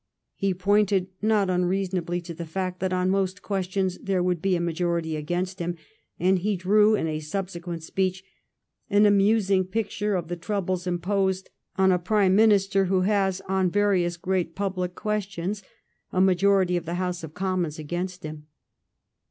He pointed, not unreasonably, to the fact that on most questions there would be a majority against him; and he drew, in a subsequent speech, an amusing picture of the troubles imposed on a Prime Minister who has on various great public questions a 'majority of the House of Commons against him.